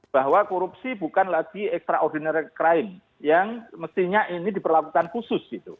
bahwa korupsi bukan lagi extraordinary crime yang mestinya ini diperlakukan khusus gitu